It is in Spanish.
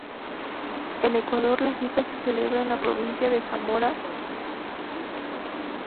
En Ecuador, la fiesta se celebra en la provincia de Zamora-Chinchipe.